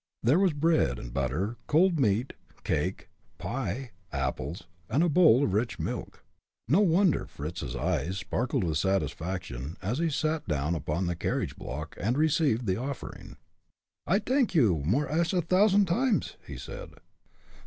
There was bread and butter, cold meat, cake, pie, apples, and a bowl of rich milk. No wonder Fritz's eyes sparkled with satisfaction, as he sat down upon the carriage block, and received the offering. "I thank you more ash a t'ousand times," he said.